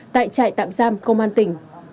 tại trại tạm giam công an tỉnh